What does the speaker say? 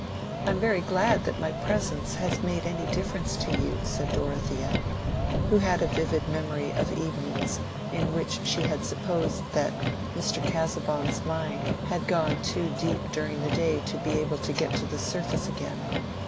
"I am very glad that my presence has made any difference to you," said Dorothea, who had a vivid memory of evenings in which she had supposed that Mr. Casaubon's mind had gone too deep during the day to be able to get to the surface again.